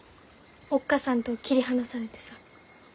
おっ母さんと切り離されてさ。